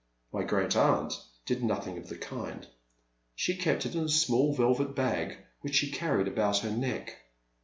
My great aunt did nothing of the kind. She kept it in a small velvet bag, which she carried about her neck.